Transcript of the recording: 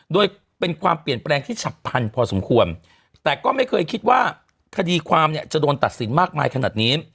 โดยเป็นความเปลี่ยนแปลงที่ฉับพันพอสมควรแต่ก็ไม่เคยคิดว่าคดีความเนี่ยจะโดนตัดสินมากมายขนาดนี้